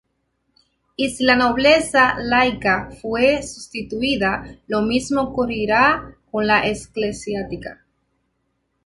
Y si la nobleza laica fue sustituida, lo mismo ocurrirá con la eclesiástica.